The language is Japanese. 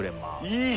いい！